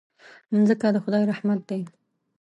مځکه د خدای رحمت دی.